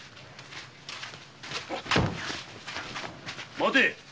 待て！